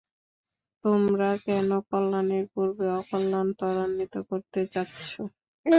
তোমরা কেন কল্যাণের পূর্বে অকল্যাণ ত্বরান্বিত করতে চাচ্ছ?